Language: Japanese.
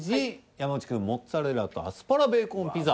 山内くん「モッツァレラとアスパラベ―コンピザ」。